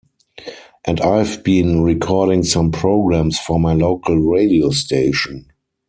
And I have been recording some programmes for my local radio station.